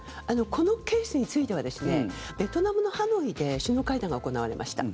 このケースについてはベトナムのハノイで首脳会談が行われました。